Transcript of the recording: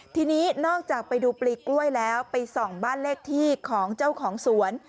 ทีนี้นอกจากไปดูปลีกล้วยแล้วไปส่องบ้านเลขที่ของเจ้าของสวน